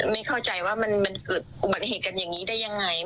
ไม่เข้าใจว่ามันเกิดอุบัติเหตุกันอย่างนี้ได้ยังไง